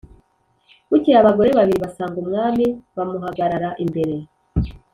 Bukeye abagore babiri basanga umwami bamuhagarara imbere